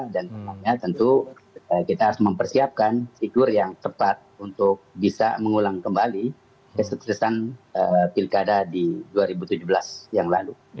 dan tentu kita harus mempersiapkan fitur yang tepat untuk bisa mengulang kembali kesuksesan pilkada di dua ribu tujuh belas yang lalu